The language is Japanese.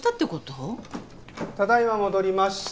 ただ今戻りました。